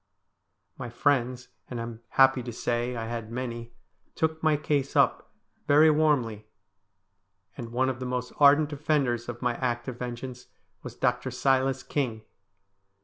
My friends, and I am happy to say I had many, took my case up very warmly, and one of the most ardent defenders of my act of vengeance was Dr. Silas King.